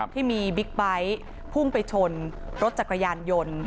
บิ๊กไบท์พุ่งไปชนรถจักรยานยนต์